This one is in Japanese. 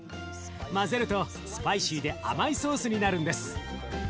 混ぜるとスパイシーで甘いソースになるんです。